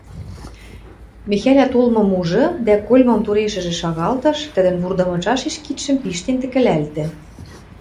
Михӓлӓ толмым ужы дӓ кольмым турежӹ шагалтыш, тӹдӹн вурды мычашеш кидшӹм пиштен тӹкӹлӓлтӹ.